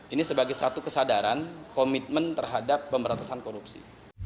ini sebagai satu kesadaran komitmen terhadap pemberantasan korupsi